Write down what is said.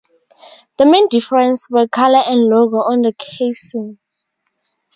The main difference were color and logo on the casing.